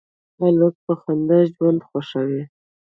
هلک په خندا ژوند خوښوي.